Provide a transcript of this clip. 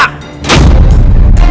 aku tidak mau